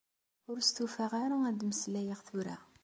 Ur stufaɣ ara ad mmeslayeɣ tura.